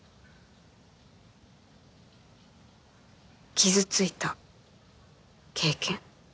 傷ついた経験。